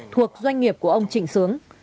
thuộc doanh nghiệp của ông trịnh sướng